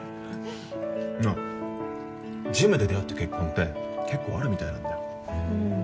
あジムで出会って結婚って結構あるみたいなんだ。